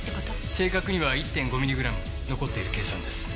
正確には１．５ミリグラム残っている計算です。